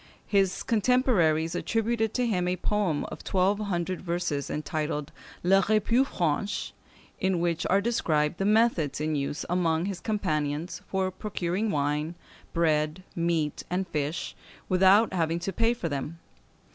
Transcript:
His contemporaries attributed to him a poem of twelve hundred verses, entitled "Les Repues Franches," in which are described the methods in use among his companions for procuring wine, bread, meat, and fish, without having to pay for them.